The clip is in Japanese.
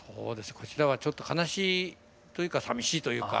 こちらはちょっと悲しいというかさみしいというか。